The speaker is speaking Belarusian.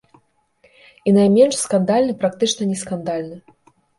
І найменш скандальны, практычна не скандальны.